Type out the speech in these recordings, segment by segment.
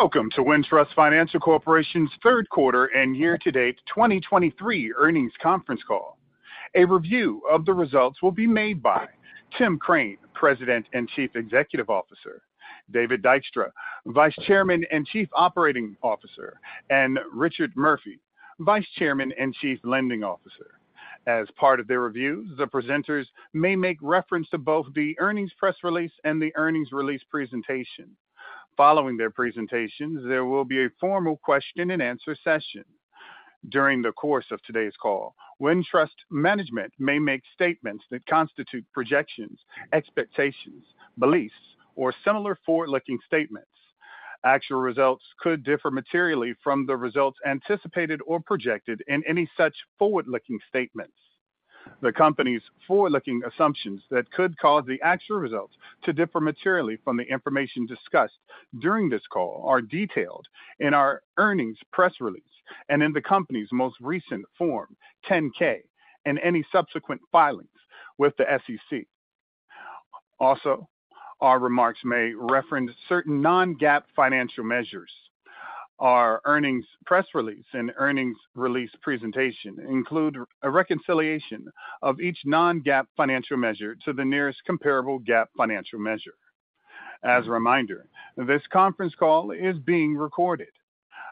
Welcome to Wintrust Financial Corporation's Third Quarter and Year-To-Date 2023 Earnings conference call. A review of the results will be made by Tim Crane, President and Chief Executive Officer; David Dykstra, Vice Chairman and Chief Operating Officer; and Richard Murphy, Vice Chairman and Chief Lending Officer. As part of their reviews, the presenters may make reference to both the earnings press release and the earnings release presentation. Following their presentations, there will be a formal question-and-answer session. During the course of today's call, Wintrust management may make statements that constitute projections, expectations, beliefs, or similar forward-looking statements. Actual results could differ materially from the results anticipated or projected in any such forward-looking statements. The company's forward-looking assumptions that could cause the actual results to differ materially from the information discussed during this call are detailed in our earnings press release and in the company's most recent Form 10-K and any subsequent filings with the SEC. Also, our remarks may reference certain non-GAAP financial measures. Our earnings press release and earnings release presentation include a reconciliation of each non-GAAP financial measure to the nearest comparable GAAP financial measure. As a reminder, this conference call is being recorded.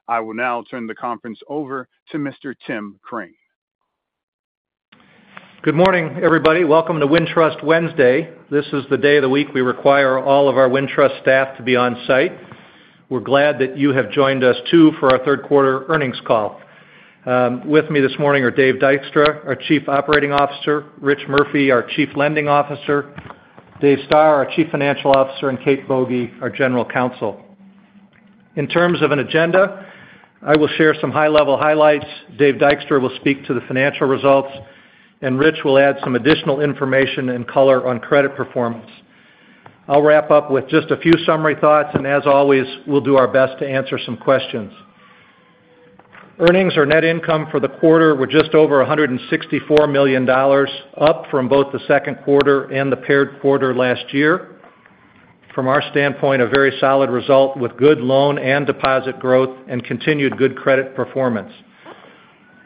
I will now turn the conference over to Mr. Tim Crane. Good morning, everybody. Welcome to Wintrust Wednesday. This is the day of the week we require all of our Wintrust staff to be on-site. We're glad that you have joined us, too, for our third quarter earnings call. With me this morning are Dave Dykstra, our Chief Operating Officer; Rich Murphy, our Chief Lending Officer; Dave Stoehr, our Chief Financial Officer; and Kate Boege, our General Counsel. In terms of an agenda, I will share some high-level highlights, Dave Dykstra will speak to the financial results, and Rich will add some additional information and color on credit performance. I'll wrap up with just a few summary thoughts, and as always, we'll do our best to answer some questions. Earnings or net income for the quarter were just over $164 million, up from both the second quarter and the prior quarter last year. From our standpoint, a very solid result with good loan and deposit growth and continued good credit performance.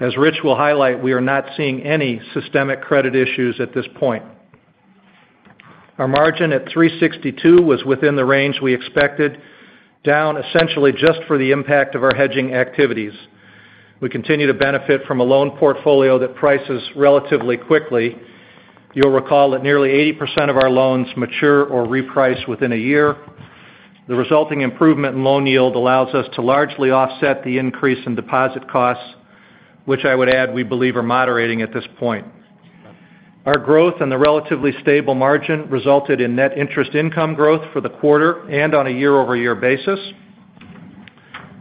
As Rich will highlight, we are not seeing any systemic credit issues at this point. Our margin at 3.62% was within the range we expected, down essentially just for the impact of our hedging activities. We continue to benefit from a loan portfolio that prices relatively quickly. You'll recall that nearly 80% of our loans mature or reprice within a year. The resulting improvement in loan yield allows us to largely offset the increase in deposit costs, which I would add, we believe are moderating at this point. Our growth and the relatively stable margin resulted in net interest income growth for the quarter and on a year-over-year basis.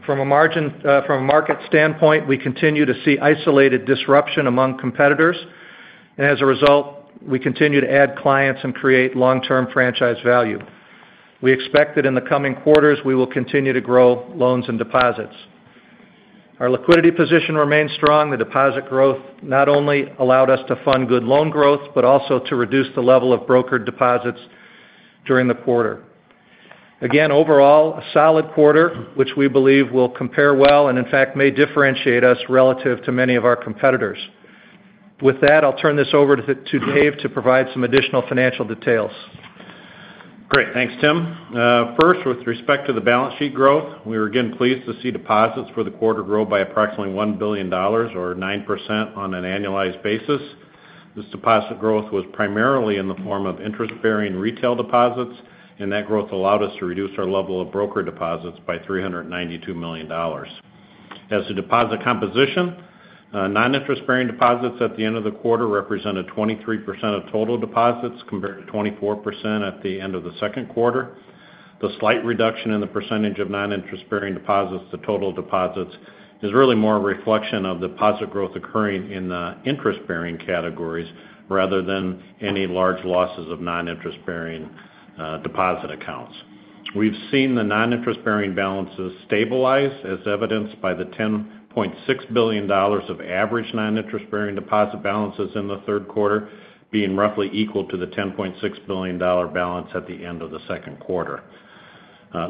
From a market standpoint, we continue to see isolated disruption among competitors, and as a result, we continue to add clients and create long-term franchise value. We expect that in the coming quarters, we will continue to grow loans and deposits. Our liquidity position remains strong. The deposit growth not only allowed us to fund good loan growth, but also to reduce the level of brokered deposits during the quarter. Again, overall, a solid quarter, which we believe will compare well and in fact, may differentiate us relative to many of our competitors. With that, I'll turn this over to Dave to provide some additional financial details. Great. Thanks, Tim. First, with respect to the balance sheet growth, we were again pleased to see deposits for the quarter grow by approximately $1 billion or 9% on an annualized basis. This deposit growth was primarily in the form of interest-bearing retail deposits, and that growth allowed us to reduce our level of broker deposits by $392 million. As to deposit composition, non-interest-bearing deposits at the end of the quarter represented 23% of total deposits, compared to 24% at the end of the second quarter. The slight reduction in the percentage of non-interest-bearing deposits to total deposits is really more a reflection of deposit growth occurring in the interest-bearing categories rather than any large losses of non-interest-bearing deposit accounts. We've seen the non-interest-bearing balances stabilize, as evidenced by the $10.6 billion of average non-interest-bearing deposit balances in the third quarter, being roughly equal to the $10.6 billion balance at the end of the second quarter.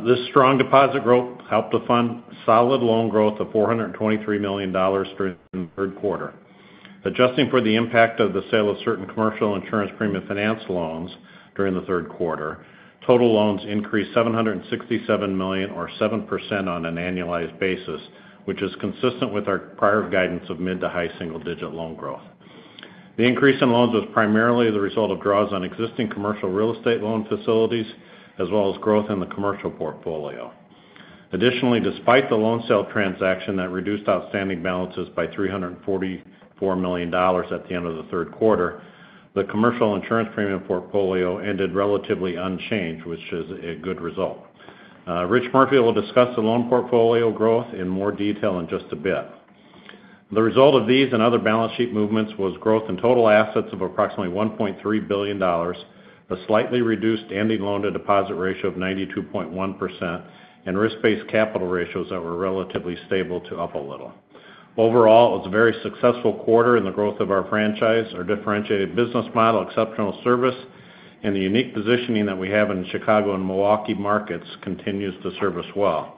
This strong deposit growth helped to fund solid loan growth of $423 million during the third quarter. Adjusting for the impact of the sale of certain commercial insurance premium finance loans during the third quarter, total loans increased $767 million or 7% on an annualized basis, which is consistent with our prior guidance of mid- to high-single-digit loan growth. The increase in loans was primarily the result of draws on existing commercial real estate loan facilities, as well as growth in the commercial portfolio. Additionally, despite the loan sale transaction that reduced outstanding balances by $344 million at the end of the third quarter, the commercial insurance premium portfolio ended relatively unchanged, which is a good result. Rich Murphy will discuss the loan portfolio growth in more detail in just a bit. The result of these and other balance sheet movements was growth in total assets of approximately $1.3 billion, a slightly reduced ending loan-to-deposit ratio of 92.1%, and risk-based capital ratios that were relatively stable to up a little... Overall, it was a very successful quarter in the growth of our franchise, our differentiated business model, exceptional service, and the unique positioning that we have in Chicago and Milwaukee markets continues to serve us well.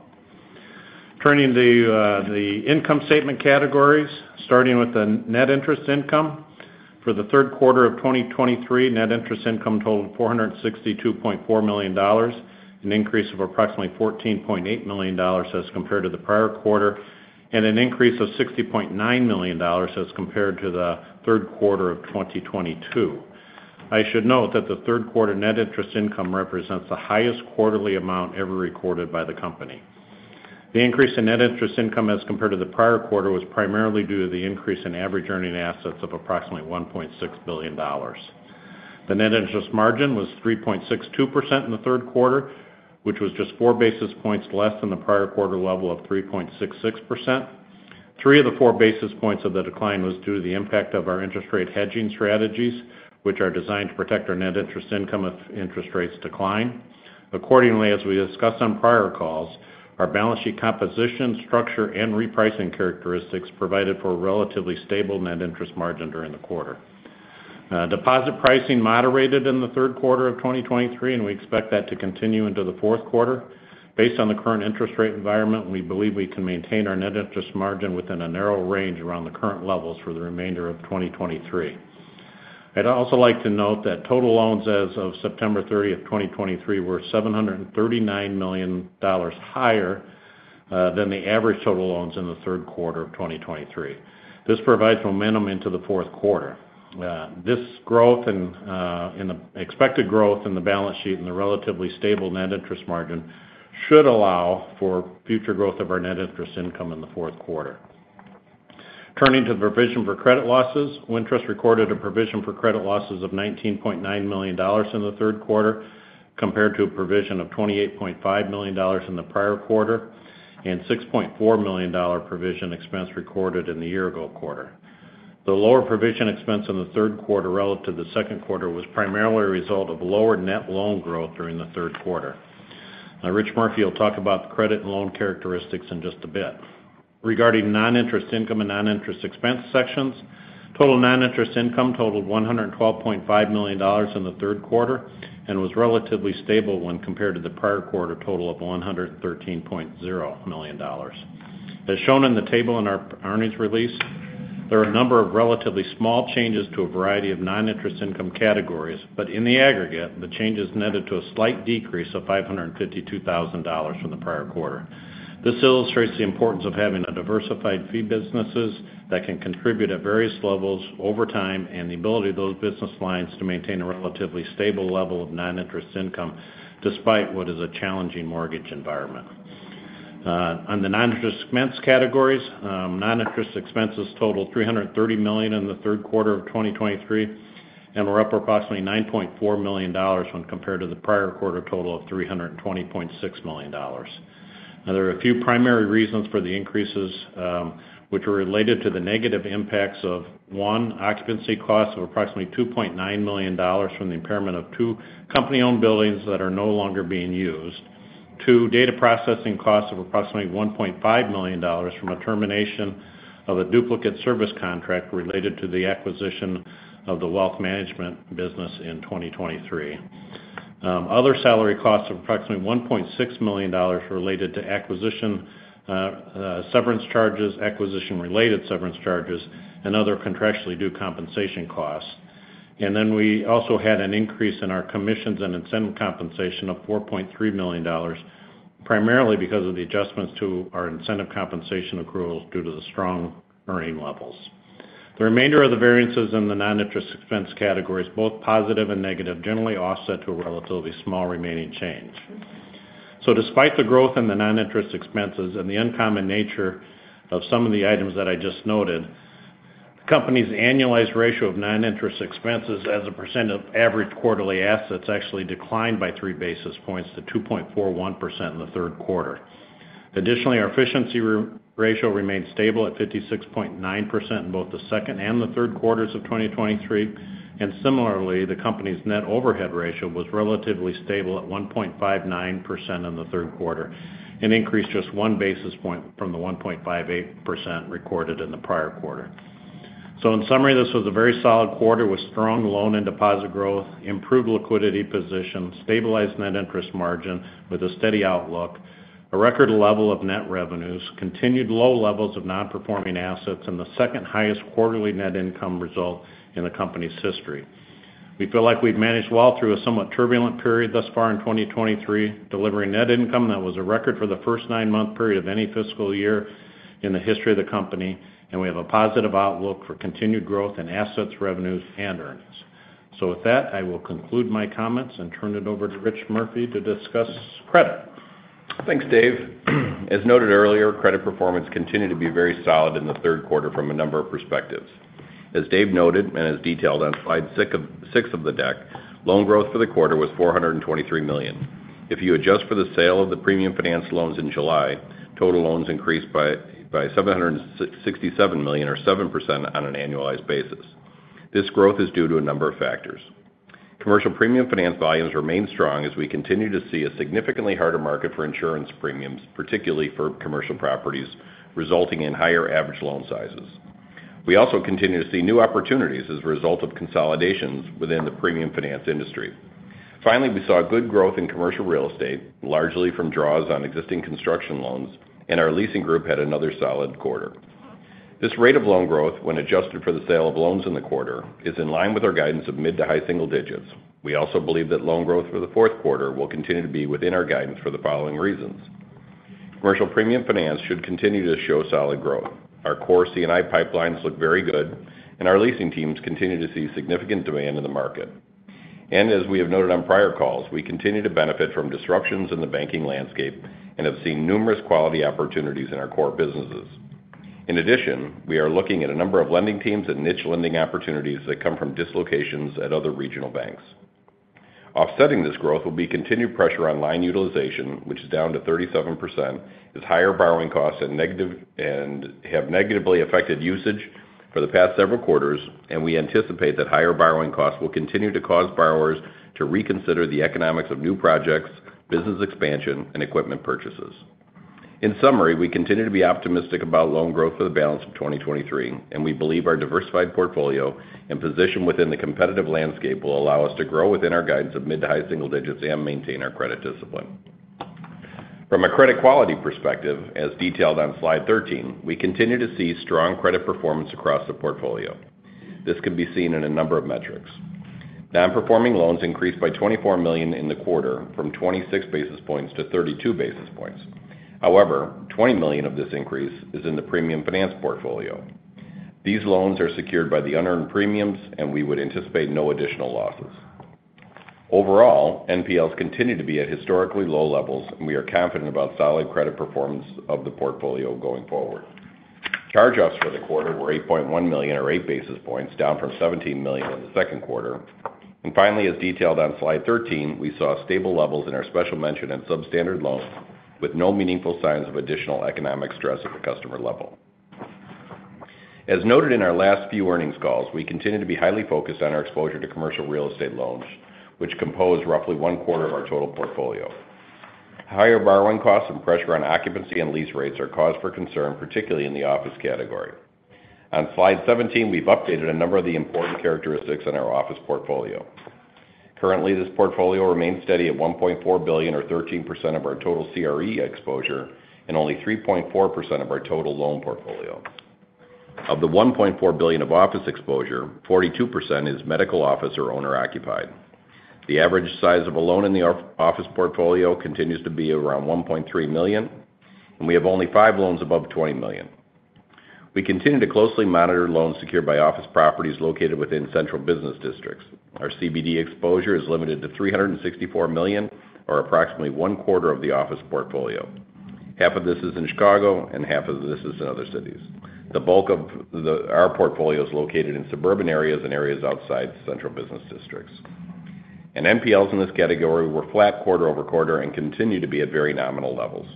Turning to the income statement categories, starting with the net interest income. For the third quarter of 2023, net interest income totaled $462.4 million, an increase of approximately $14.8 million as compared to the prior quarter, and an increase of $60.9 million as compared to the third quarter of 2022. I should note that the third quarter net interest income represents the highest quarterly amount ever recorded by the company. The increase in net interest income as compared to the prior quarter, was primarily due to the increase in average earning assets of approximately $1.6 billion. The net interest margin was 3.62% in the third quarter, which was just 4 basis points less than the prior quarter level of 3.66%. 3 of the 4 basis points of the decline was due to the impact of our interest rate hedging strategies, which are designed to protect our net interest income if interest rates decline. Accordingly, as we discussed on prior calls, our balance sheet composition, structure, and repricing characteristics provided for a relatively stable net interest margin during the quarter. Deposit pricing moderated in the third quarter of 2023, and we expect that to continue into the fourth quarter. Based on the current interest rate environment, we believe we can maintain our net interest margin within a narrow range around the current levels for the remainder of 2023. I'd also like to note that total loans as of September 30th, 2023, were $739 million higher than the average total loans in the third quarter of 2023. This provides momentum into the fourth quarter. This growth and, and the expected growth in the balance sheet, and the relatively stable net interest margin, should allow for future growth of our net interest income in the fourth quarter. Turning to the provision for credit losses. Wintrust recorded a provision for credit losses of $19.9 million in the third quarter, compared to a provision of $28.5 million in the prior quarter, and $6.4 million provision expense recorded in the year ago quarter. The lower provision expense in the third quarter relative to the second quarter, was primarily a result of lower net loan growth during the third quarter. Now, Rich Murphy will talk about the credit and loan characteristics in just a bit. Regarding non-interest income and non-interest expense sections, total non-interest income totaled $112.5 million in the third quarter, and was relatively stable when compared to the prior quarter total of $113.0 million. As shown in the table in our earnings release, there are a number of relatively small changes to a variety of non-interest income categories, but in the aggregate, the changes netted to a slight decrease of $552,000 from the prior quarter. This illustrates the importance of having a diversified fee businesses that can contribute at various levels over time, and the ability of those business lines to maintain a relatively stable level of non-interest income, despite what is a challenging mortgage environment. On the non-interest expense categories, non-interest expenses totaled $330 million in the third quarter of 2023, and were up approximately $9.4 million when compared to the prior quarter total of $320.6 million. Now, there are a few primary reasons for the increases, which are related to the negative impacts of, one, occupancy costs of approximately $2.9 million from the impairment of two company-owned buildings that are no longer being used. Two, data processing costs of approximately $1.5 million from a termination of a duplicate service contract related to the acquisition of the wealth management business in 2023. Other salary costs of approximately $1.6 million related to acquisition-related severance charges, and other contractually due compensation costs. And then we also had an increase in our commissions and incentive compensation of $4.3 million, primarily because of the adjustments to our incentive compensation accruals due to the strong earning levels. The remainder of the variances in the non-interest expense categories, both positive and negative, generally offset to a relatively small remaining change. So despite the growth in the non-interest expenses and the uncommon nature of some of the items that I just noted, the company's annualized ratio of non-interest expenses as a percent of average quarterly assets, actually declined by 3 basis points to 2.41% in the third quarter. Additionally, our efficiency ratio remained stable at 56.9% in both the second and the third quarters of 2023. Similarly, the company's net overhead ratio was relatively stable at 1.59% in the third quarter, and increased just 1 basis point from the 1.58% recorded in the prior quarter. In summary, this was a very solid quarter with strong loan and deposit growth, improved liquidity position, stabilized net interest margin with a steady outlook, a record level of net revenues, continued low levels of non-performing assets, and the second highest quarterly net income result in the company's history. We feel like we've managed well through a somewhat turbulent period thus far in 2023, delivering net income that was a record for the first nine-month period of any fiscal year in the history of the company, and we have a positive outlook for continued growth in assets, revenues, and earnings. With that, I will conclude my comments and turn it over to Rich Murphy to discuss credit. Thanks, Dave. As noted earlier, credit performance continued to be very solid in the third quarter from a number of perspectives. As Dave noted, and as detailed on slide six of the deck, loan growth for the quarter was $423 million. If you adjust for the sale of the premium finance loans in July, total loans increased by $767 million or 7% on an annualized basis. This growth is due to a number of factors.... Commercial premium finance volumes remain strong as we continue to see a significantly harder market for insurance premiums, particularly for commercial properties, resulting in higher average loan sizes. We also continue to see new opportunities as a result of consolidations within the premium finance industry. Finally, we saw good growth in commercial real estate, largely from draws on existing construction loans, and our leasing group had another solid quarter. This rate of loan growth, when adjusted for the sale of loans in the quarter, is in line with our guidance of mid- to high single digits. We also believe that loan growth for the fourth quarter will continue to be within our guidance for the following reasons: Commercial premium finance should continue to show solid growth. Our core C&I pipelines look very good, and our leasing teams continue to see significant demand in the market. And as we have noted on prior calls, we continue to benefit from disruptions in the banking landscape and have seen numerous quality opportunities in our core businesses. In addition, we are looking at a number of lending teams and niche lending opportunities that come from dislocations at other regional banks. Offsetting this growth will be continued pressure on line utilization, which is down to 37%, as higher borrowing costs have negatively affected usage for the past several quarters, and we anticipate that higher borrowing costs will continue to cause borrowers to reconsider the economics of new projects, business expansion, and equipment purchases. In summary, we continue to be optimistic about loan growth for the balance of 2023, and we believe our diversified portfolio and position within the competitive landscape will allow us to grow within our guidance of mid- to high single digits and maintain our credit discipline. From a credit quality perspective, as detailed on slide 13, we continue to see strong credit performance across the portfolio. This can be seen in a number of metrics. Non-performing loans increased by $24 million in the quarter, from 26 basis points to 32 basis points. However, $20 million of this increase is in the premium finance portfolio. These loans are secured by the unearned premiums, and we would anticipate no additional losses. Overall, NPLs continue to be at historically low levels, and we are confident about solid credit performance of the portfolio going forward. Charge-offs for the quarter were $8.1 million, or 8 basis points, down from $17 million in the second quarter. Finally, as detailed on slide 13, we saw stable levels in our special mention and substandard loans, with no meaningful signs of additional economic stress at the customer level. As noted in our last few earnings calls, we continue to be highly focused on our exposure to commercial real estate loans, which compose roughly one quarter of our total portfolio. Higher borrowing costs and pressure on occupancy and lease rates are cause for concern, particularly in the office category. On slide 17, we've updated a number of the important characteristics in our office portfolio. Currently, this portfolio remains steady at $1.4 billion, or 13% of our total CRE exposure, and only 3.4% of our total loan portfolio. Of the $1.4 billion of office exposure, 42% is medical office or owner-occupied. The average size of a loan in our office portfolio continues to be around $1.3 million, and we have only five loans above $20 million. We continue to closely monitor loans secured by office properties located within central business districts. Our CBD exposure is limited to $364 million, or approximately one quarter of the office portfolio. Half of this is in Chicago, and half of this is in other cities. The bulk of our portfolio is located in suburban areas and areas outside central business districts. And NPLs in this category were flat quarter-over-quarter and continue to be at very nominal levels.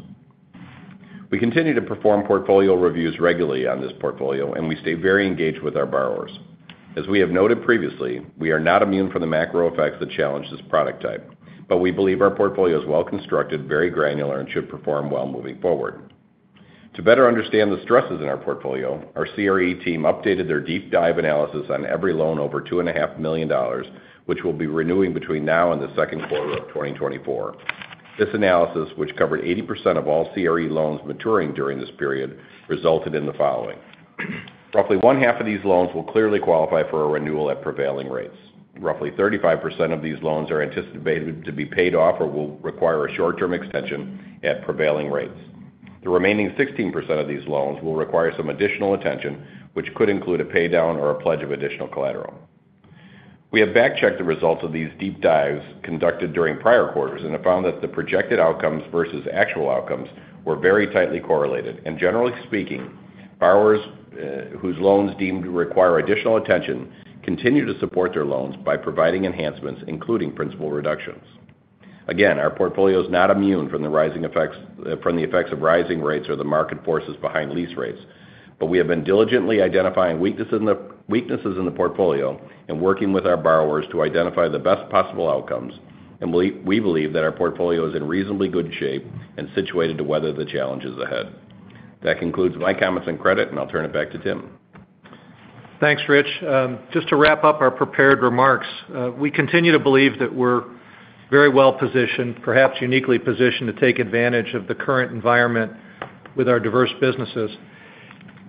We continue to perform portfolio reviews regularly on this portfolio, and we stay very engaged with our borrowers. As we have noted previously, we are not immune from the macro effects that challenge this product type, but we believe our portfolio is well-constructed, very granular, and should perform well moving forward. To better understand the stresses in our portfolio, our CRE team updated their deep dive analysis on every loan over $2.5 million, which will be renewing between now and the second quarter of 2024. This analysis, which covered 80% of all CRE loans maturing during this period, resulted in the following: Roughly one-half of these loans will clearly qualify for a renewal at prevailing rates. Roughly 35% of these loans are anticipated to be paid off or will require a short-term extension at prevailing rates. The remaining 16% of these loans will require some additional attention, which could include a pay down or a pledge of additional collateral. We have backchecked the results of these deep dives conducted during prior quarters and have found that the projected outcomes versus actual outcomes were very tightly correlated. Generally speaking, borrowers whose loans deemed to require additional attention continue to support their loans by providing enhancements, including principal reductions. Again, our portfolio is not immune from the effects of rising rates or the market forces behind lease rates, but we have been diligently identifying weaknesses in the portfolio and working with our borrowers to identify the best possible outcomes, and we believe that our portfolio is in reasonably good shape and situated to weather the challenges ahead. That concludes my comments on credit, and I'll turn it back to Tim. Thanks, Rich. Just to wrap up our prepared remarks, we continue to believe that we're very well-positioned, perhaps uniquely positioned, to take advantage of the current environment with our diverse businesses.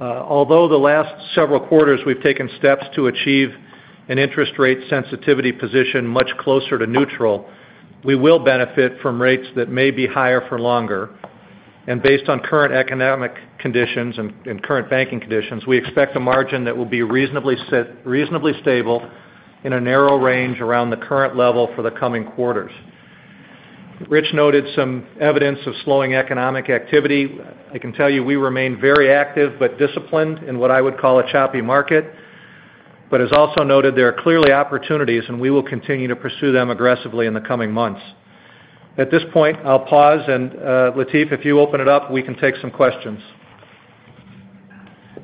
Although the last several quarters, we've taken steps to achieve an interest rate sensitivity position much closer to neutral, we will benefit from rates that may be higher for longer. Based on current economic conditions and current banking conditions, we expect a margin that will be reasonably set, reasonably stable in a narrow range around the current level for the coming quarters. Rich noted some evidence of slowing economic activity. I can tell you we remain very active, but disciplined in what I would call a choppy market. As also noted, there are clearly opportunities, and we will continue to pursue them aggressively in the coming months. At this point, I'll pause and, Latif, if you open it up, we can take some questions....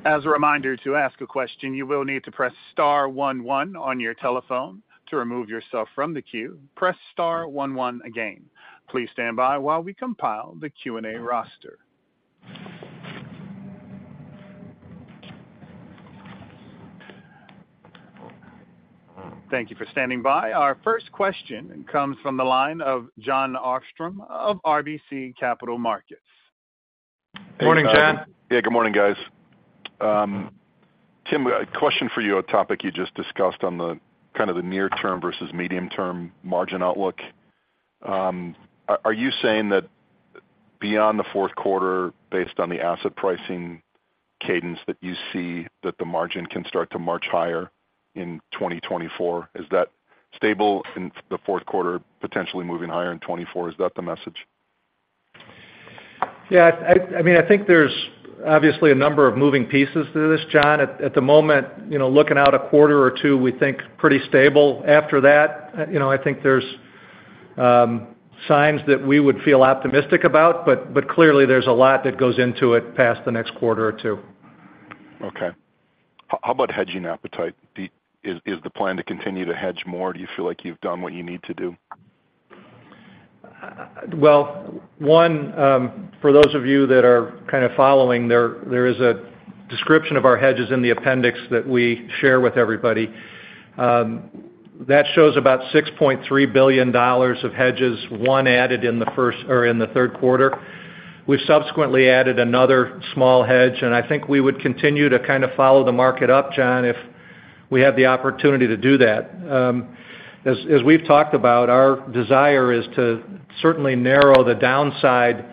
As a reminder, to ask a question, you will need to press star one, one on your telephone. To remove yourself from the queue, press star one, one again. Please stand by while we compile the Q&A roster. Thank you for standing by. Our first question comes from the line of Jon Arfstrom of RBC Capital Markets. Morning, Jon. Yeah. Good morning, guys. Tim, a question for you on a topic you just discussed on the kind of the near term versus medium-term margin outlook. Are you saying that beyond the fourth quarter, based on the asset pricing cadence, that you see that the margin can start to march higher in 2024? Is that stable in the fourth quarter, potentially moving higher in 2024? Is that the message? Yeah, I mean, I think there's obviously a number of moving pieces to this, Jon. At the moment, you know, looking out a quarter or two, we think pretty stable. After that, you know, I think there's signs that we would feel optimistic about, but clearly there's a lot that goes into it past the next quarter or two. Okay. How about hedging appetite? Is the plan to continue to hedge more? Do you feel like you've done what you need to do? Well, one, for those of you that are kind of following, there is a description of our hedges in the appendix that we share with everybody. That shows about $6.3 billion of hedges, one added in the first or in the third quarter. We've subsequently added another small hedge, and I think we would continue to kind of follow the market up, Jon, if we have the opportunity to do that. As we've talked about, our desire is to certainly narrow the downside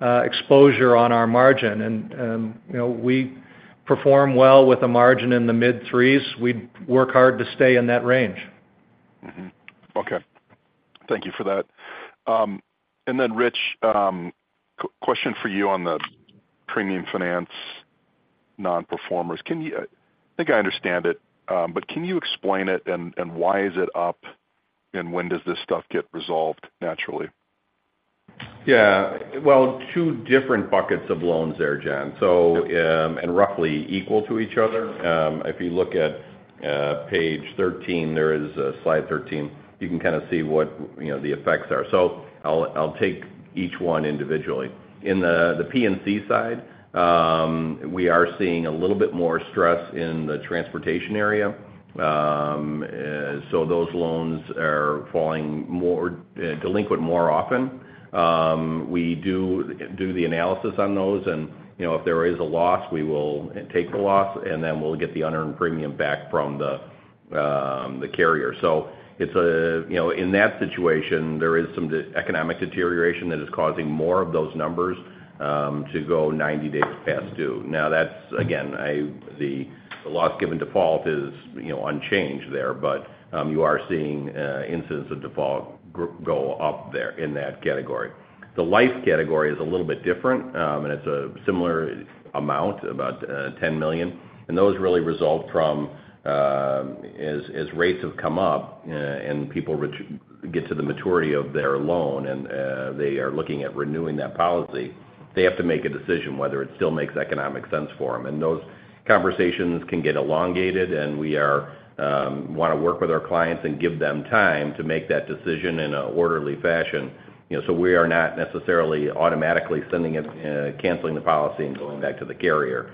exposure on our margin. And, you know, we perform well with a margin in the mid threes. We work hard to stay in that range. Mm-hmm. Okay. Thank you for that. And then, Rich, question for you on the premium finance non-performers. Can you-- I think I understand it, but can you explain it and, and why is it up, and when does this stuff get resolved naturally? Yeah. Well, two different buckets of loans there, Jon. So, roughly equal to each other. If you look at page 13, there is a slide 13, you can kind of see what, you know, the effects are. So I'll take each one individually. In the P&C side, we are seeing a little bit more stress in the transportation area. So those loans are falling more delinquent more often. We do the analysis on those, and, you know, if there is a loss, we will take the loss, and then we'll get the unearned premium back from the carrier. So it's a... You know, in that situation, there is some economic deterioration that is causing more of those numbers to go 90 days past due. Now, that's, again, the loss given default is, you know, unchanged there, but you are seeing instances of default go up there in that category. The life category is a little bit different, and it's a similar amount, about $10 million, and those really result from, as rates have come up, and people get to the maturity of their loan and they are looking at renewing that policy, they have to make a decision whether it still makes economic sense for them. And those conversations can get elongated, and we want to work with our clients and give them time to make that decision in an orderly fashion. You know, so we are not necessarily automatically sending it, canceling the policy and going back to the carrier.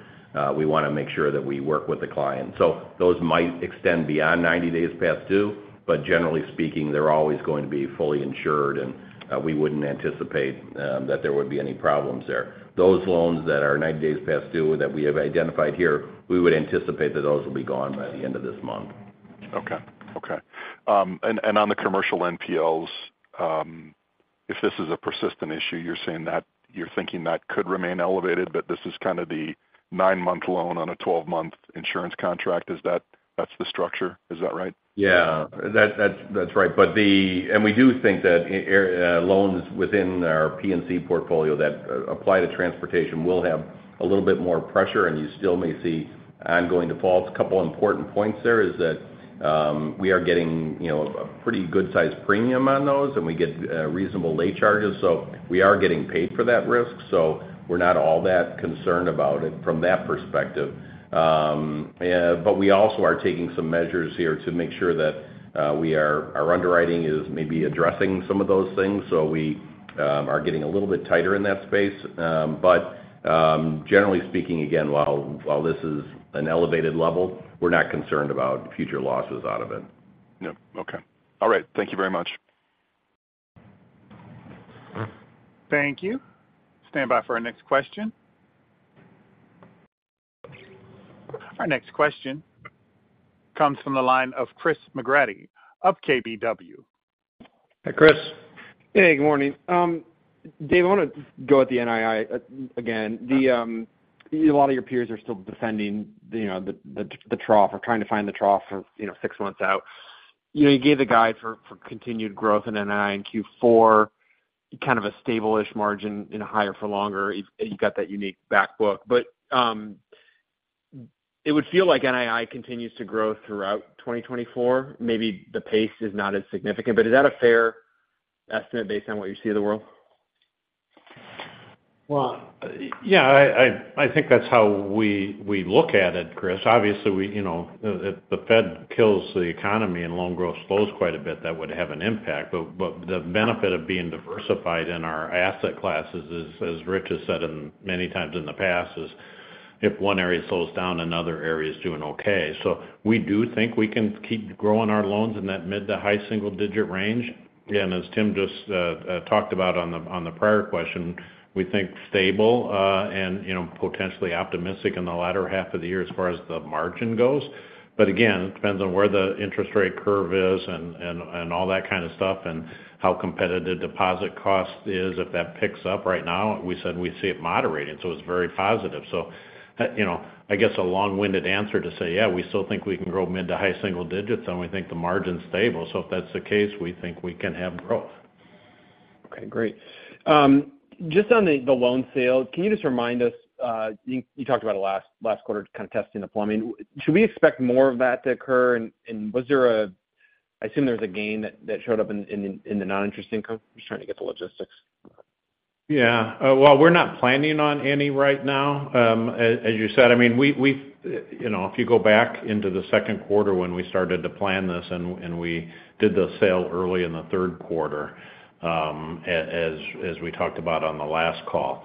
We want to make sure that we work with the client. So those might extend beyond 90 days past due, but generally speaking, they're always going to be fully insured, and we wouldn't anticipate that there would be any problems there. Those loans that are 90 days past due, that we have identified here, we would anticipate that those will be gone by the end of this month. Okay. Okay. And on the commercial NPLs, if this is a persistent issue, you're saying that you're thinking that could remain elevated, but this is kind of the nine-month loan on a 12-month insurance contract. Is that, that's the structure? Is that right? Yeah, that's right. But we do think that loans within our P&C portfolio that apply to transportation will have a little bit more pressure, and you still may see ongoing defaults. A couple of important points there is that we are getting, you know, a pretty good size premium on those, and we get reasonable late charges, so we are getting paid for that risk. So we're not all that concerned about it from that perspective. But we also are taking some measures here to make sure that our underwriting is maybe addressing some of those things, so we are getting a little bit tighter in that space. But generally speaking, again, while this is an elevated level, we're not concerned about future losses out of it. Yep. Okay. All right. Thank you very much. Thank you. Stand by for our next question. Our next question comes from the line of Chris McGratty of KBW. Hi, Chris. Hey, good morning. Dave, I want to go at the NII again. A lot of your peers are still defending, you know, the trough or trying to find the trough for, you know, six months out. You know, you gave the guide for continued growth in NII in Q4, kind of a stable-ish margin in higher for longer. You've got that unique back book. But it would feel like NII continues to grow throughout 2024. Maybe the pace is not as significant, but is that a fair estimate based on what you see in the world? ... Well, yeah, I, I think that's how we, we look at it, Chris. Obviously, we, you know, if the Fed kills the economy and loan growth slows quite a bit, that would have an impact. But, but the benefit of being diversified in our asset classes is, as Rich has said in many times in the past, is if one area slows down, another area is doing okay. So we do think we can keep growing our loans in that mid- to high-single-digit range. Again, as Tim just talked about on the prior question, we think stable and, you know, potentially optimistic in the latter half of the year as far as the margin goes. But again, it depends on where the interest rate curve is and, and, and all that kind of stuff, and how competitive deposit cost is. If that picks up right now, we said we see it moderating, so it's very positive. So, you know, I guess a long-winded answer to say, yeah, we still think we can grow mid- to high single digits, and we think the margin's stable. So if that's the case, we think we can have growth. Okay, great. Just on the loan sale, can you just remind us you talked about it last quarter, kind of testing the plumbing. Should we expect more of that to occur? And was there a? I assume there's a gain that showed up in the non-interest income. Just trying to get the logistics. Yeah. Well, we're not planning on any right now. As you said, I mean, we you know, if you go back into the second quarter when we started to plan this, and we did the sale early in the third quarter, as we talked about on the last call.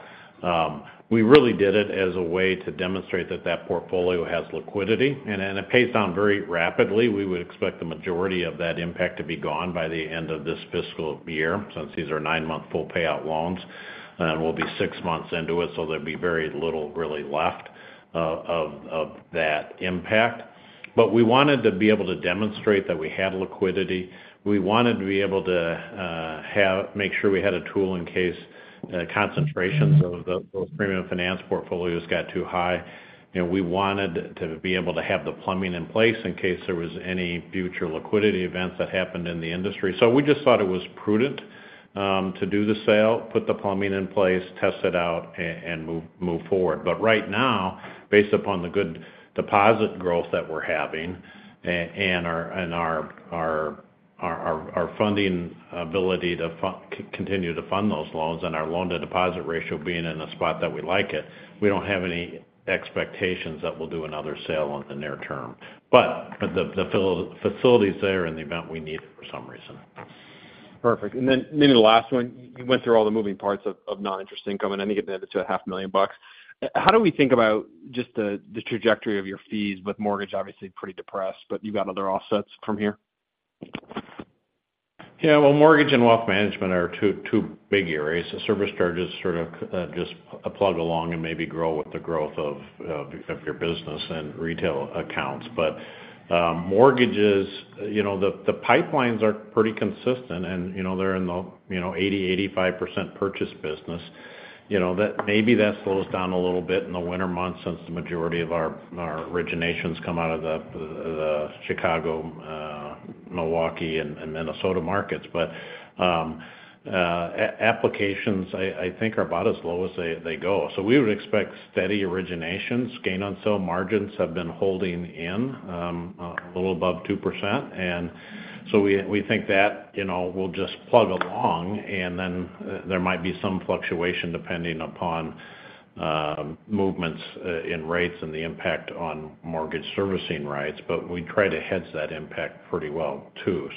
We really did it as a way to demonstrate that that portfolio has liquidity, and then it pays down very rapidly. We would expect the majority of that impact to be gone by the end of this fiscal year, since these are nine-month full payout loans, and we'll be six months into it, so there'll be very little really left, of that impact. But we wanted to be able to demonstrate that we had liquidity. We wanted to be able to make sure we had a tool in case concentrations of those premium finance portfolios got too high. You know, we wanted to be able to have the plumbing in place in case there was any future liquidity events that happened in the industry. So we just thought it was prudent to do the sale, put the plumbing in place, test it out, and move forward. But right now, based upon the good deposit growth that we're having and our funding ability to continue to fund those loans and our loan-to-deposit ratio being in the spot that we like it, we don't have any expectations that we'll do another sale on the near term. But the facility is there in the event we need it for some reason. Perfect. And then maybe the last one, you went through all the moving parts of non-interest income, and I think it added to $500,000. How do we think about just the trajectory of your fees, with mortgage obviously pretty depressed, but you've got other offsets from here? Yeah, well, mortgage and wealth management are two big areas. The service charges sort of just plug along and maybe grow with the growth of your business and retail accounts. But mortgages, you know, the pipelines are pretty consistent, and, you know, they're in the 80%-85% purchase business. You know, that maybe that slows down a little bit in the winter months, since the majority of our originations come out of the Chicago, Milwaukee, and Minnesota markets. But applications, I think, are about as low as they go. So we would expect steady originations. Gain on sale margins have been holding in a little above 2%. We think that, you know, will just plug along, and then there might be some fluctuation depending upon movements in rates and the impact on mortgage servicing rates, but we try to hedge that impact pretty well, too.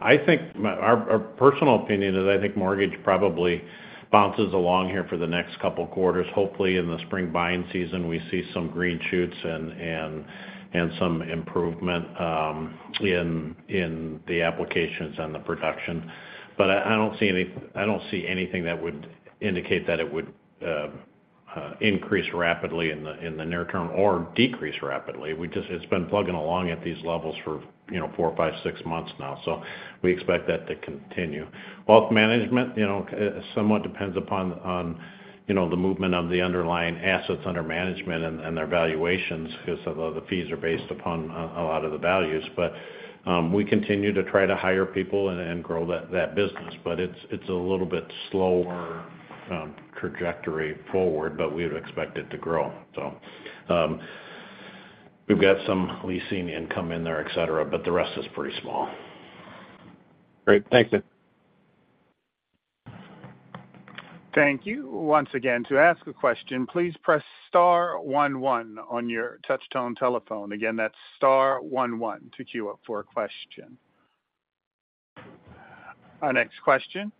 I think our personal opinion is, I think mortgage probably bounces along here for the next couple of quarters. Hopefully, in the spring buying season, we see some green shoots and some improvement in the applications and the production. I don't see anything that would indicate that it would increase rapidly in the near term or decrease rapidly. It's been plugging along at these levels for, you know, four, five, six months now, so we expect that to continue. Wealth management, you know, somewhat depends upon you know, the movement of the underlying assets under management and their valuations, because the fees are based upon a lot of the values. But we continue to try to hire people and grow that business, but it's a little bit slower trajectory forward, but we would expect it to grow. So, we've got some leasing income in there, et cetera, but the rest is pretty small. Great. Thanks, David. Thank you. Once again, to ask a question, please press star one one on your touchtone telephone. Again, that's star one one to queue up for a question. Our next question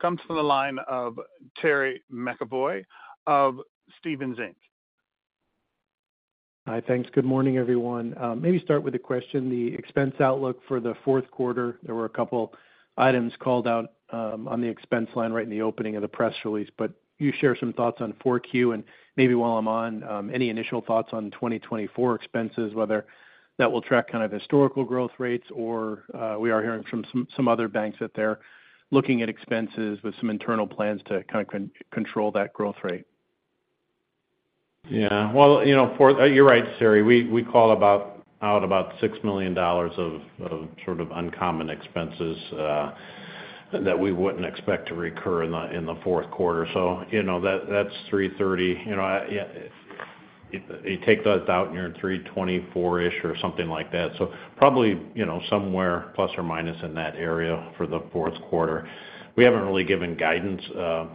comes from the line of Terry McEvoy of Stephens Inc. Hi, thanks. Good morning, everyone. Maybe start with a question, the expense outlook for the fourth quarter. There were a couple items called out on the expense line right in the opening of the press release, but can you share some thoughts on 4Q? And maybe while I'm on, any initial thoughts on 2024 expenses, whether that will track kind of historical growth rates or, we are hearing from some, some other banks that they're looking at expenses with some internal plans to kind of control that growth rate. Yeah, well, you know. You're right, Terry. We call out about $6 million of sort of uncommon expenses that we wouldn't expect to recur in the fourth quarter. So, you know, that's 3.30%. You know, I yeah-... You take those out, and you're in 3.24%-ish or something like that. So probably, you know, somewhere plus or minus in that area for the fourth quarter. We haven't really given guidance for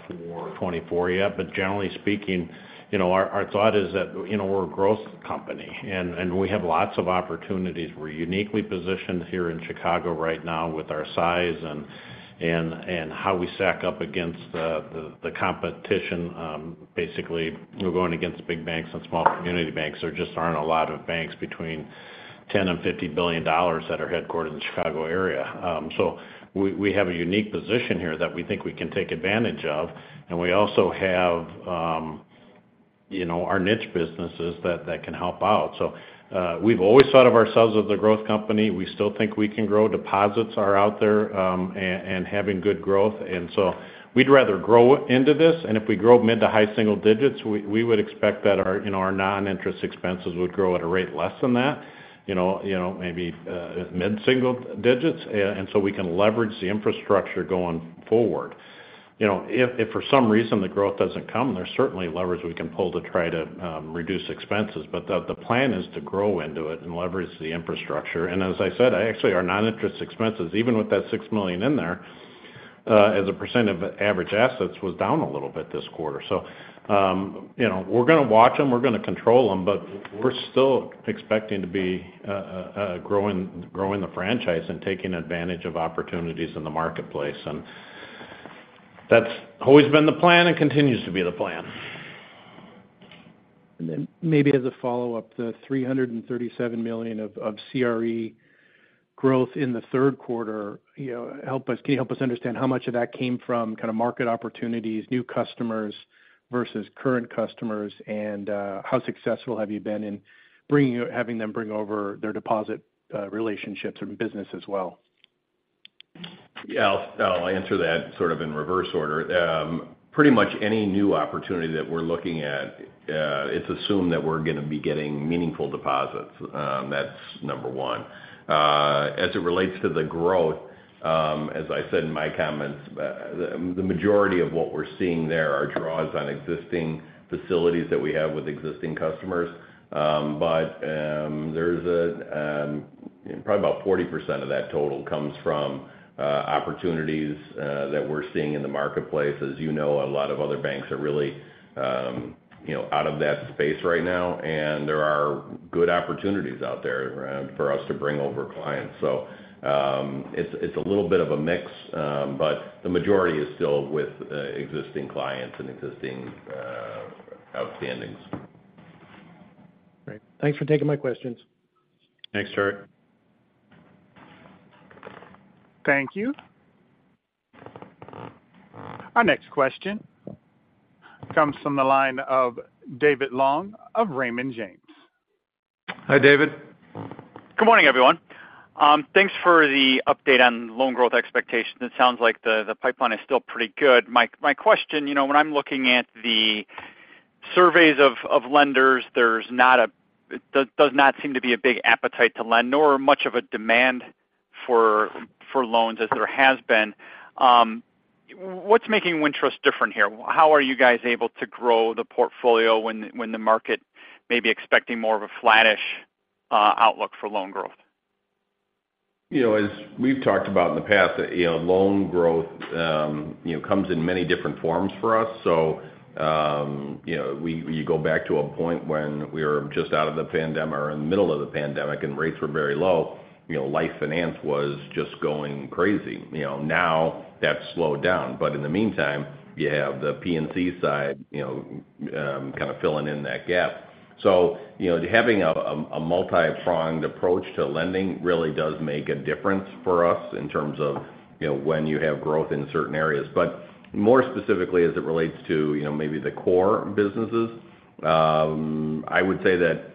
2024 yet, but generally speaking, you know, our, our thought is that, you know, we're a growth company, and, and we have lots of opportunities. We're uniquely positioned here in Chicago right now with our size and, and, and how we stack up against the, the, the competition. Basically, we're going against big banks and small community banks. There just aren't a lot of banks between $10 billion and $50 billion that are headquartered in the Chicago area. So we, we have a unique position here that we think we can take advantage of, and we also have, you know, our niche businesses that, that can help out. So, we've always thought of ourselves as a growth company. We still think we can grow. Deposits are out there, and having good growth, and so we'd rather grow into this, and if we grow mid to high single digits, we would expect that our, you know, our non-interest expenses would grow at a rate less than that. You know, maybe mid-single digits, and so we can leverage the infrastructure going forward. You know, if for some reason, the growth doesn't come, there's certainly levers we can pull to try to reduce expenses. But the plan is to grow into it and leverage the infrastructure. And as I said, actually, our non-interest expenses, even with that $6 million in there, as a percent of average assets, was down a little bit this quarter. You know, we're going to watch them, we're going to control them, but we're still expecting to be growing the franchise and taking advantage of opportunities in the marketplace. And that's always been the plan and continues to be the plan. And then maybe as a follow-up, the $337 million of CRE growth in the third quarter, you know, can you help us understand how much of that came from kind of market opportunities, new customers versus current customers? And how successful have you been in having them bring over their deposit relationships and business as well? Yeah, I'll, I'll answer that sort of in reverse order. Pretty much any new opportunity that we're looking at, it's assumed that we're going to be getting meaningful deposits. That's number one. As it relates to the growth, as I said in my comments, the majority of what we're seeing there are draws on existing facilities that we have with existing customers. But there's probably about 40% of that total comes from opportunities that we're seeing in the marketplace. As you know, a lot of other banks are really, you know, out of that space right now, and there are good opportunities out there for us to bring over clients. So, it's a little bit of a mix, but the majority is still with existing clients and existing outstandings. Great. Thanks for taking my questions. Thanks, Terry. Thank you. Our next question comes from the line of David Long of Raymond James. Hi, David. Good morning, everyone. Thanks for the update on loan growth expectations. It sounds like the pipeline is still pretty good. My question, you know, when I'm looking at the surveys of lenders, there's not a-- there does not seem to be a big appetite to lend, nor much of a demand for loans as there has been. What's making Wintrust different here? How are you guys able to grow the portfolio when the market may be expecting more of a flattish outlook for loan growth? You know, as we've talked about in the past, you know, loan growth, you know, comes in many different forms for us. So, you know, you go back to a point when we were just out of the pandemic or in the middle of the pandemic, and rates were very low, you know, life finance was just going crazy. You know, now that's slowed down. But in the meantime, you have the P&C side, you know, kind of filling in that gap. So, you know, having a, a multi-pronged approach to lending really does make a difference for us in terms of, you know, when you have growth in certain areas. But more specifically, as it relates to, you know, maybe the core businesses, I would say that,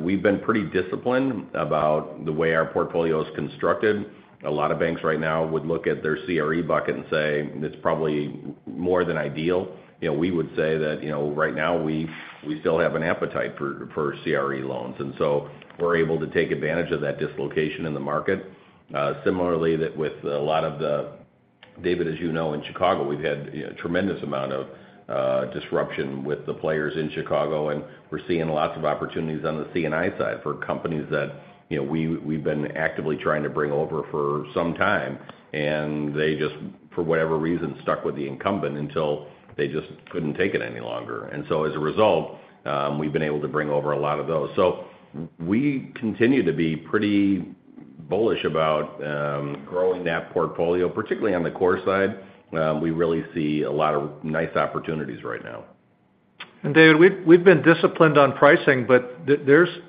we've been pretty disciplined about the way our portfolio is constructed. A lot of banks right now would look at their CRE bucket and say, "It's probably more than ideal." You know, we would say that, you know, right now we still have an appetite for CRE loans, and so we're able to take advantage of that dislocation in the market. Similarly, that with a lot of the... David, as you know, in Chicago, we've had a tremendous amount of disruption with the players in Chicago, and we're seeing lots of opportunities on the C&I side for companies that, you know, we've been actively trying to bring over for some time, and they just, for whatever reason, stuck with the incumbent until they just couldn't take it any longer. And so, as a result, we've been able to bring over a lot of those. So we continue to be pretty bullish about growing that portfolio, particularly on the core side. We really see a lot of nice opportunities right now. David, we've, we've been disciplined on pricing, but there's--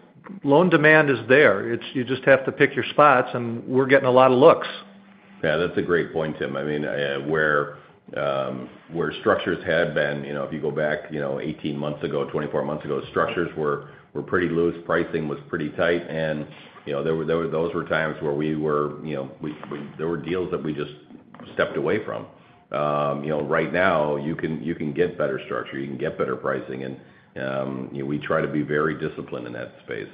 loan demand is there. It's-- you just have to pick your spots, and we're getting a lot of looks. Yeah, that's a great point, Tim. I mean, where structures had been, you know, if you go back, you know, 18 months ago, 24 months ago, structures were pretty loose, pricing was pretty tight, and, you know, there were those were times where we were, you know, we, we there were deals that we just stepped away from. You know, right now, you can get better structure, you can get better pricing, and, you know, we try to be very disciplined in that space....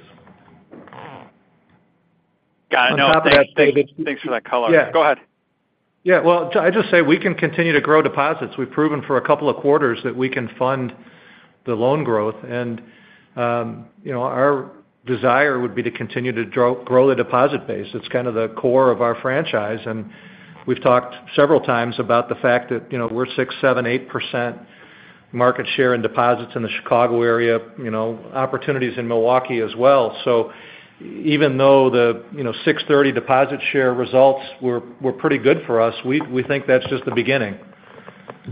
Got it. No, thanks, thanks, thanks for that color. Yeah. Go ahead. Yeah, well, I just say we can continue to grow deposits. We've proven for a couple of quarters that we can fund the loan growth. And, you know, our desire would be to continue to grow the deposit base. It's kind of the core of our franchise, and we've talked several times about the fact that, you know, we're 6%, 7%, 8% market share in deposits in the Chicago area, you know, opportunities in Milwaukee as well. So even though the, you know, 6/30 deposit share results were pretty good for us, we think that's just the beginning.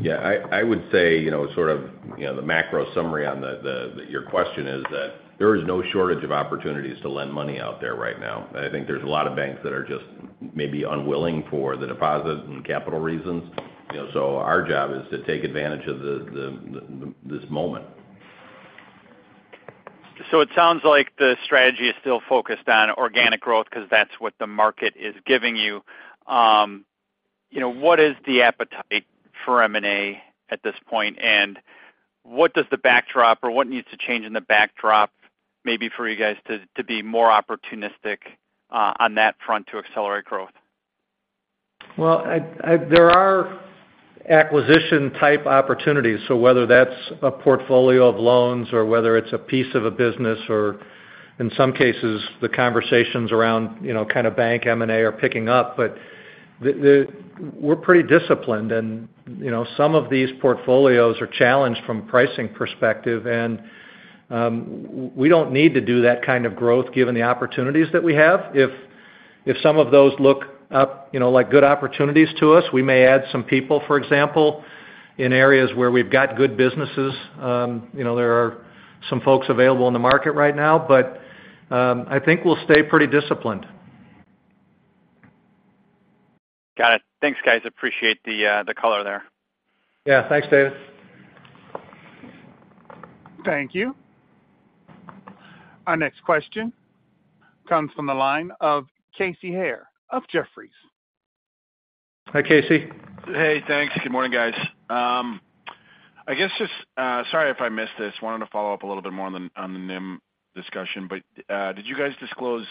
Yeah, I would say, you know, sort of, you know, the macro summary on your question is that there is no shortage of opportunities to lend money out there right now. I think there's a lot of banks that are just maybe unwilling for the deposit and capital reasons. You know, so our job is to take advantage of this moment. It sounds like the strategy is still focused on organic growth because that's what the market is giving you. You know, what is the appetite for M&A at this point? And what does the backdrop, or what needs to change in the backdrop, maybe for you guys to be more opportunistic on that front to accelerate growth? Well, there are acquisition-type opportunities, so whether that's a portfolio of loans or whether it's a piece of a business, or in some cases, the conversations around, you know, kind of bank M&A are picking up. But we're pretty disciplined and, you know, some of these portfolios are challenged from a pricing perspective, and we don't need to do that kind of growth given the opportunities that we have. If some of those look up, you know, like good opportunities to us, we may add some people, for example, in areas where we've got good businesses. You know, there are some folks available in the market right now, but I think we'll stay pretty disciplined. Got it. Thanks, guys. Appreciate the, the color there. Yeah, thanks, David. Thank you. Our next question comes from the line of Casey Haire of Jefferies. Hi, Casey. Hey, thanks. Good morning, guys. I guess just, sorry, if I missed this. Wanted to follow up a little bit more on the, on the NIM discussion, but, did you guys disclose,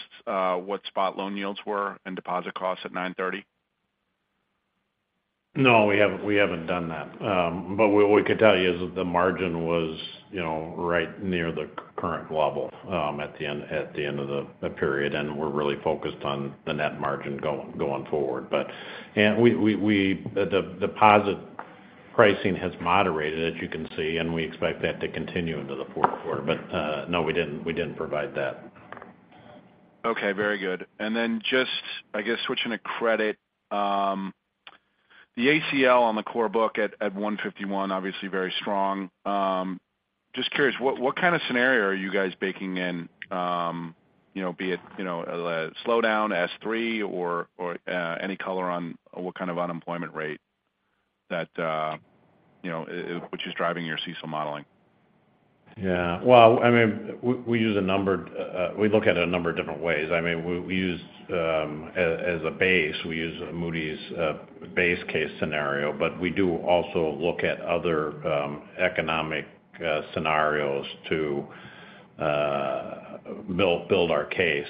what spot loan yields were and deposit costs at 9/30? No, we haven't done that. But what we could tell you is that the margin was, you know, right near the current level at the end of the period, and we're really focused on the net margin going forward. But the deposit pricing has moderated, as you can see, and we expect that to continue into the fourth quarter. But, no, we didn't provide that. Okay, very good. And then just, I guess, switching to credit. The ACL on the core book at 151, obviously very strong. Just curious, what kind of scenario are you guys baking in, you know, be it a slowdown, S3, or any color on what kind of unemployment rate that you know which is driving your CECL modeling? Yeah. Well, I mean, we look at it a number of different ways. I mean, we use as a base we use Moody's base case scenario, but we do also look at other economic scenarios to build our case.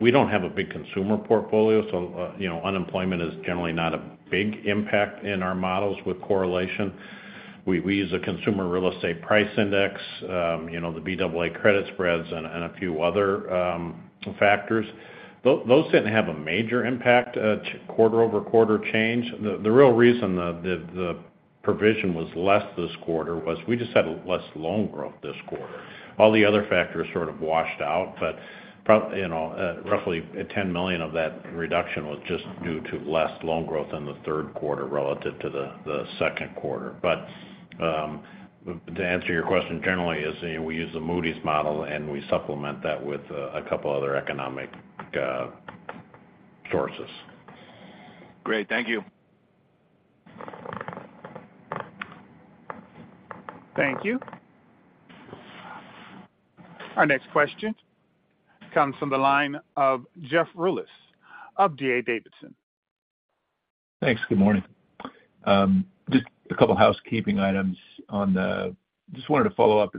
We don't have a big consumer portfolio, so you know, unemployment is generally not a big impact in our models with correlation. We use a consumer real estate price index, you know, the Baa credit spreads and a few other factors. Those didn't have a major impact, quarter-over-quarter change. The real reason the provision was less this quarter was we just had less loan growth this quarter. All the other factors sort of washed out, but you know, roughly $10 million of that reduction was just due to less loan growth in the third quarter relative to the second quarter. But to answer your question generally is, we use the Moody's model, and we supplement that with a couple other economic sources. Great. Thank you. Thank you. Our next question comes from the line of Jeff Rulis of D.A. Davidson. Thanks. Good morning. Just a couple housekeeping items. Just wanted to follow up.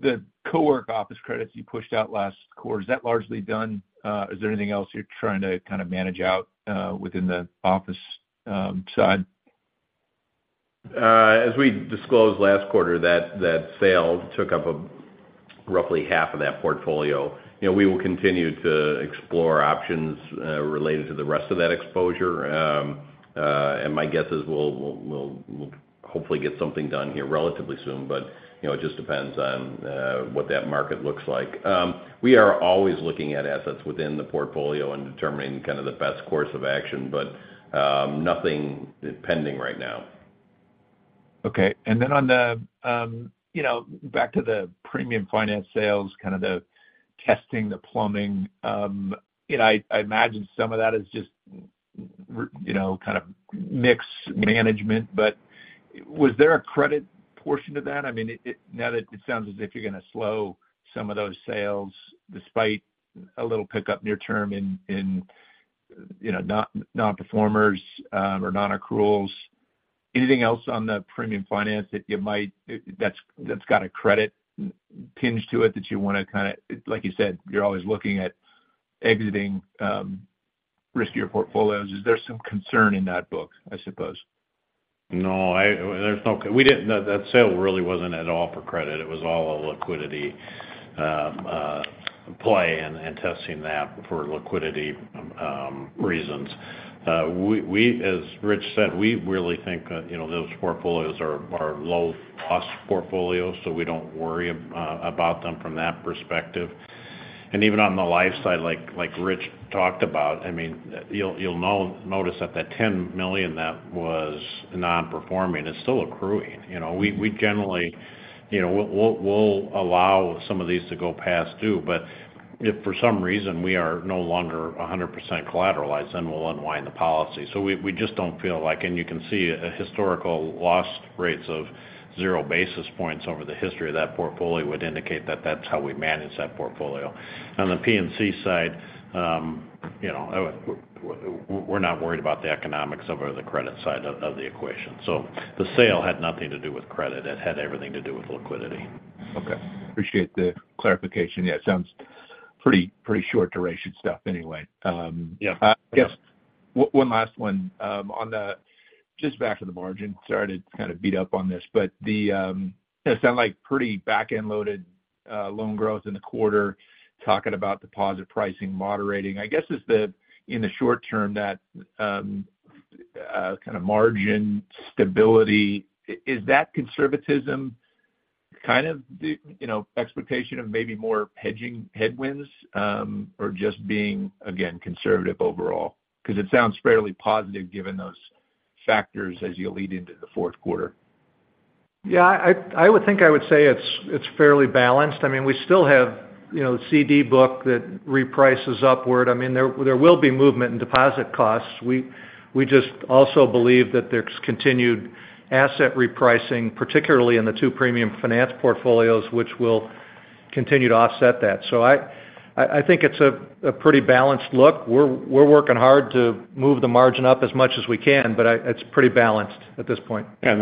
The co-work office credits you pushed out last quarter, is that largely done? Is there anything else you're trying to kind of manage out within the office side? As we disclosed last quarter, that sale took up a roughly half of that portfolio. You know, we will continue to explore options related to the rest of that exposure. And my guess is we'll hopefully get something done here relatively soon, but, you know, it just depends on what that market looks like. We are always looking at assets within the portfolio and determining kind of the best course of action, but nothing pending right now. Okay. And then on the, you know, back to the premium finance sales, kind of the testing, the plumbing, you know, I imagine some of that is just, you know, kind of mix management, but was there a credit portion to that? I mean, it now that it sounds as if you're going to slow some of those sales, despite a little pickup near term in, you know, non-performers, or non-accruals? Anything else on the premium finance that you might that's got a credit pinch to it that you want to kind of - Like you said, you're always looking at exiting riskier portfolios. Is there some concern in that book, I suppose? No, there's no concern. That sale really wasn't at all for credit. It was all a liquidity play and testing that for liquidity reasons. As Rich said, we really think that, you know, those portfolios are low-cost portfolios, so we don't worry about them from that perspective. And even on the life side, like Rich talked about, I mean, you'll notice that that $10 million that was non-performing, it's still accruing. You know, we generally, you know, we'll allow some of these to go past due, but if for some reason we are no longer 100% collateralized, then we'll unwind the policy. So we just don't feel like... And you can see a historical loss rates of 0 basis points over the history of that portfolio would indicate that that's how we manage that portfolio. On the P&C side, you know, we're not worried about the economics over the credit side of the equation. So the sale had nothing to do with credit. It had everything to do with liquidity. Okay. Appreciate the clarification. Yeah, it sounds pretty, pretty short-duration stuff anyway. Yeah. Just one last one. Just back to the margin, sorry to kind of beat up on this, but it sounds like pretty back-end loaded loan growth in the quarter, talking about deposit pricing moderating. I guess, in the short term, that kind of margin stability, is that conservatism kind of the, you know, expectation of maybe more hedging headwinds, or just being, again, conservative overall? Because it sounds fairly positive given those factors as you lead into the fourth quarter. Yeah, I would think I would say it's fairly balanced. I mean, we still have, you know, CD book that reprices upward. I mean, there will be movement in deposit costs. We just also believe that there's continued asset repricing, particularly in the two premium finance portfolios, which will continue to offset that. So I think it's a pretty balanced look. We're working hard to move the margin up as much as we can, but it's pretty balanced at this point. I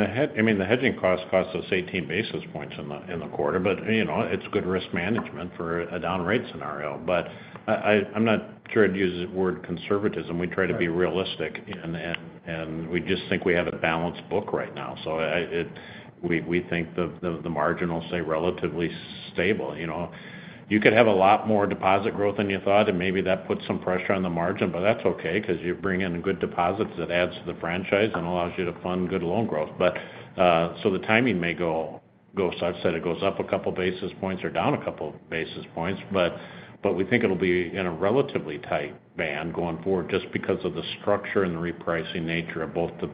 mean, the hedging cost us 18 basis points in the quarter, but, you know, it's good risk management for a down rate scenario. But I'm not sure I'd use the word conservatism. We try to be realistic, and we just think we have a balanced book right now. So we think the margin will stay relatively stable. You know, you could have a lot more deposit growth than you thought, and maybe that puts some pressure on the margin, but that's okay because you bring in good deposits that adds to the franchise and allows you to fund good loan growth. But, so the timing may go, as I've said, it goes up a couple of basis points or down a couple of basis points, but we think it'll be in a relatively tight band going forward just because of the structure and the repricing nature of both the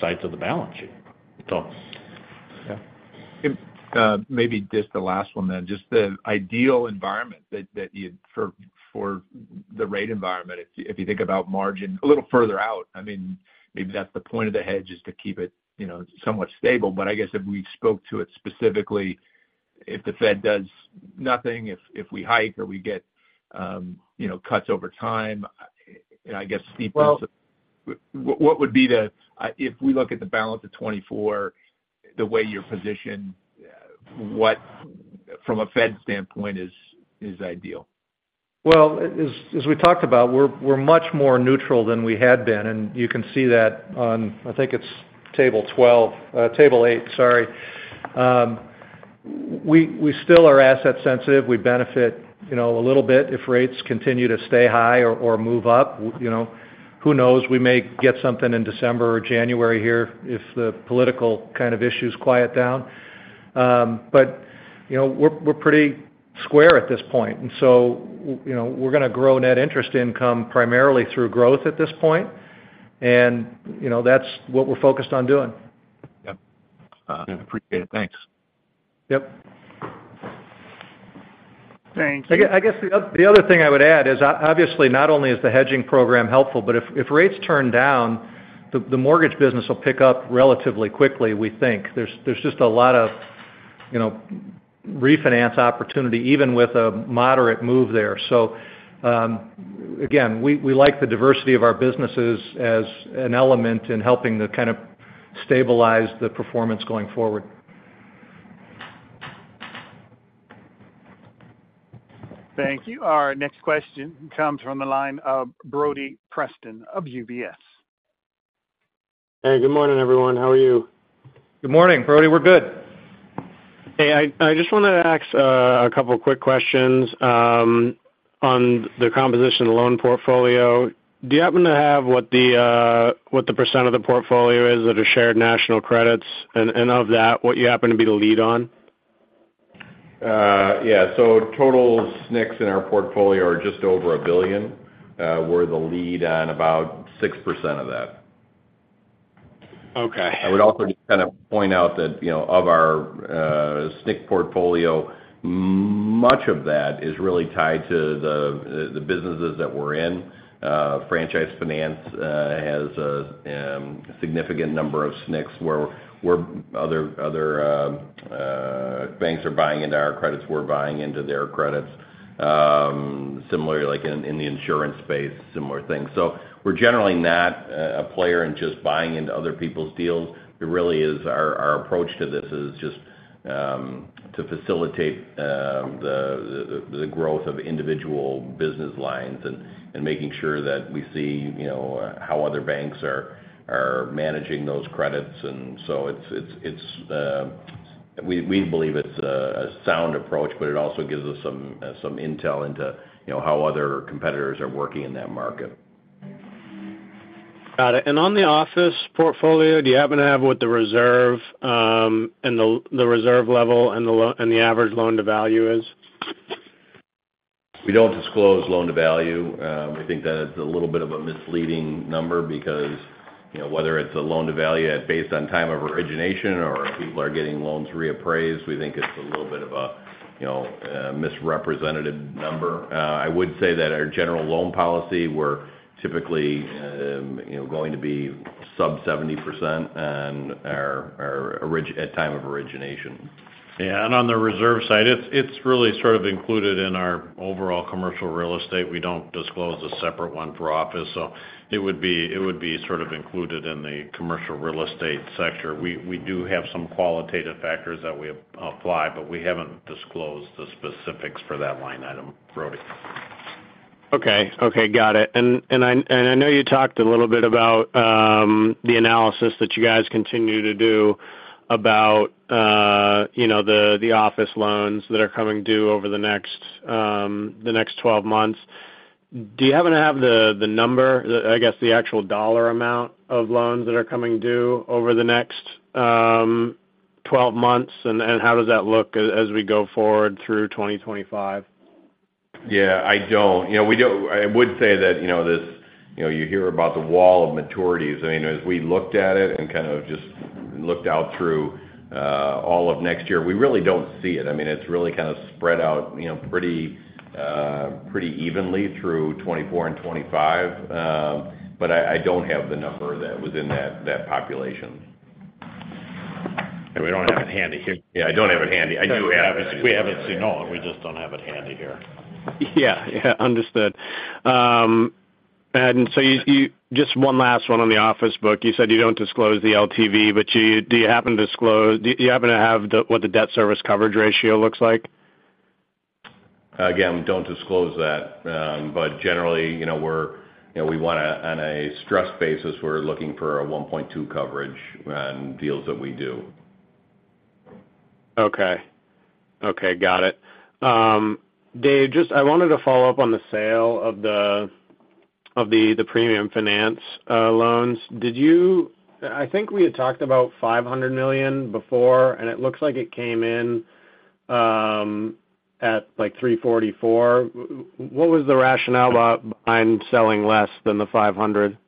sides of the balance sheet. So. Yeah. Maybe just the last one then. Just the ideal environment that you... For the rate environment, if you think about margin a little further out, I mean, maybe that's the point of the hedge, is to keep it, you know, somewhat stable. But I guess, if we spoke to it specifically, if the Fed does nothing, if we hike or we get, you know, cuts over time, and I guess steepen- Well- What would be the, if we look at the balance of 2024, the way you're positioned, what, from a Fed standpoint, is ideal? Well, as we talked about, we're much more neutral than we had been, and you can see that on, I think it's Table 12, Table eight, sorry. We still are asset sensitive. We benefit, you know, a little bit if rates continue to stay high or move up. You know, who knows? We may get something in December or January here if the political kind of issues quiet down. But, you know, we're pretty square at this point, and so, you know, we're gonna grow net interest income primarily through growth at this point. And, you know, that's what we're focused on doing. Yep. Appreciate it. Thanks. Yep. Thank you. I guess, I guess the other thing I would add is obviously, not only is the hedging program helpful, but if rates turn down, the mortgage business will pick up relatively quickly, we think. There's just a lot of, you know, refinance opportunity, even with a moderate move there. So, again, we like the diversity of our businesses as an element in helping to kind of stabilize the performance going forward. Thank you. Our next question comes from the line of Brody Preston of UBS. Hey, good morning, everyone. How are you? Good morning, Brody. We're good. Hey, I just wanted to ask a couple quick questions on the composition of the loan portfolio. Do you happen to have what the percent of the portfolio is that are Shared National Credits, and of that, what you happen to be the lead on? Yeah. Total SNCs in our portfolio are just over $1 billion. We're the lead on about 6% of that. Okay. I would also just kind of point out that, you know, of our SNC portfolio, much of that is really tied to the businesses that we're in. Franchise Finance has a significant number of SNCs where-... we're other banks are buying into our credits, we're buying into their credits. Similarly, like in the insurance space, similar things. So we're generally not a player in just buying into other people's deals. It really is our approach to this is just to facilitate the growth of individual business lines and making sure that we see, you know, how other banks are managing those credits. And so it's we believe it's a sound approach, but it also gives us some intel into, you know, how other competitors are working in that market. Got it. And on the office portfolio, do you happen to have what the reserve and the reserve level and the average loan-to-value is? We don't disclose loan-to-value. We think that it's a little bit of a misleading number because, you know, whether it's a loan-to-value based on time of origination or if people are getting loans reappraised, we think it's a little bit of a, you know, misrepresentative number. I would say that our general loan policy, we're typically, you know, going to be sub-70% on our origination at time of origination. Yeah, and on the reserve side, it's really sort of included in our overall commercial real estate. We don't disclose a separate one for office, so it would be sort of included in the commercial real estate sector. We do have some qualitative factors that we apply, but we haven't disclosed the specifics for that line item, Brody. Okay. Okay, got it. And I know you talked a little bit about the analysis that you guys continue to do about, you know, the office loans that are coming due over the next 12 months. Do you happen to have the number, I guess, the actual dollar amount of loans that are coming due over the next 12 months? And how does that look as we go forward through 2025? Yeah, I don't. You know, we don't. I would say that, you know, this, you know, you hear about the wall of maturities. I mean, as we looked at it and kind of just looked out through all of next year, we really don't see it. I mean, it's really kind of spread out, you know, pretty evenly through 2024 and 2025. But I don't have the number that within that, that population. We don't have it handy here. Yeah, I don't have it handy. I do have it. We have it. No, we just don't have it handy here. Yeah. Yeah, understood. And so you just one last one on the office book. You said you don't disclose the LTV, but do you happen to have what the debt service coverage ratio looks like? Again, we don't disclose that. But generally, you know, we're, you know, we want to... On a stress basis, we're looking for a 1.2% coverage on deals that we do. Okay. Okay, got it. Dave, just I wanted to follow up on the sale of the premium finance loans. Did you—I think we had talked about $500 million before, and it looks like it came in at, like, $344 million. What was the rationale behind selling less than the $500 million?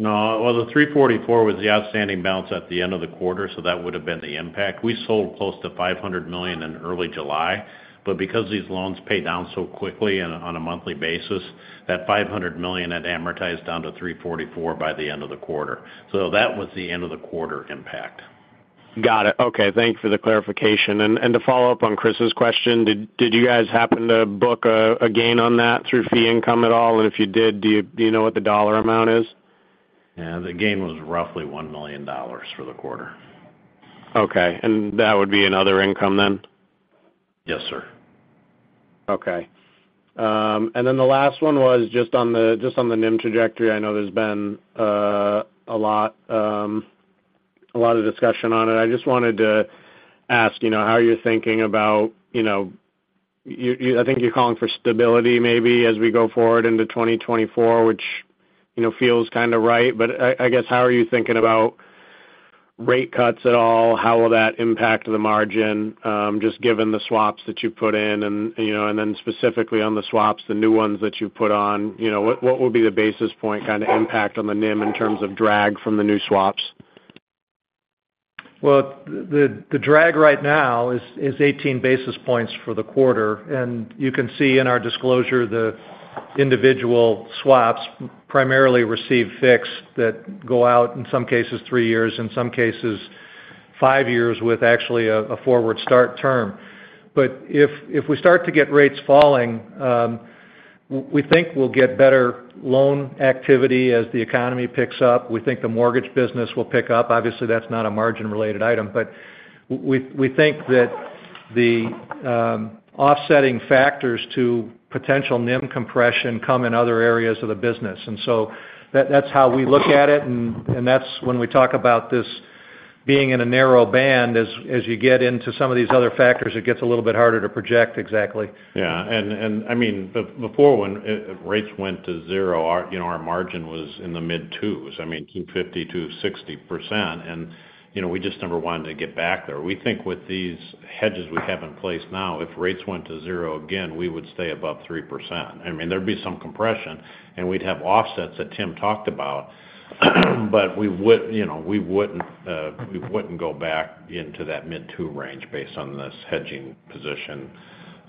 No, well, the $344 million was the outstanding balance at the end of the quarter, so that would have been the impact. We sold close to $500 million in early July, but because these loans pay down so quickly and on a monthly basis, that $500 million had amortized down to $344 million by the end of the quarter. So that was the end-of-the-quarter impact. Got it. Okay, thanks for the clarification. And to follow up on Chris's question, did you guys happen to book a gain on that through fee income at all? And if you did, do you know what the dollar amount is? Yeah, the gain was roughly $1 million for the quarter. Okay. And that would be another income then? Yes, sir. Okay. And then the last one was just on the, just on the NIM trajectory. I know there's been a lot, a lot of discussion on it. I just wanted to ask, you know, how are you thinking about, you know... You, I think you're calling for stability maybe as we go forward into 2024, which, you know, feels kind of right. But I, I guess, how are you thinking about rate cuts at all? How will that impact the margin, just given the swaps that you've put in? And, you know, and then specifically on the swaps, the new ones that you've put on, you know, what, what would be the basis point kind of impact on the NIM in terms of drag from the new swaps? Well, the drag right now is 18 basis points for the quarter. And you can see in our disclosure, the individual swaps primarily receive fixed that go out, in some cases, three years, in some cases, five years, with actually a forward start term. But if we start to get rates falling, we think we'll get better loan activity as the economy picks up. We think the mortgage business will pick up. Obviously, that's not a margin-related item, but we think that the offsetting factors to potential NIM compression come in other areas of the business. And so that's how we look at it, and that's when we talk about this being in a narrow band, as you get into some of these other factors, it gets a little bit harder to project exactly. Yeah, and I mean, before when rates went to zero, our, you know, our margin was in the mid-2s%. I mean, 2.50%-2.60%, and, you know, we just never wanted to get back there. We think with these hedges we have in place now, if rates went to zero again, we would stay above 3%. I mean, there'd be some compression, and we'd have offsets that Tim talked about, but we would, you know, we wouldn't, we wouldn't go back into that mid-2% range based on this hedging position,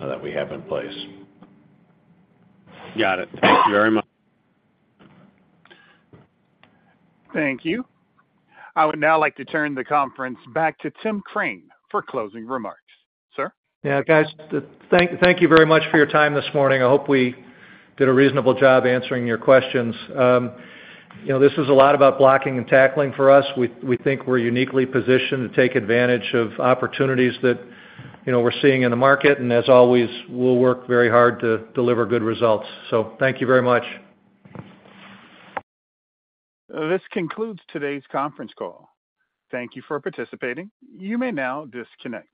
that we have in place. Got it. Thank you very much. Thank you. I would now like to turn the conference back to Timothy Crane for closing remarks. Sir? Yeah, guys, thank you very much for your time this morning. I hope we did a reasonable job answering your questions. You know, this is a lot about blocking and tackling for us. We think we're uniquely positioned to take advantage of opportunities that, you know, we're seeing in the market. And as always, we'll work very hard to deliver good results. So thank you very much. This concludes today's conference call. Thank you for participating. You may now disconnect.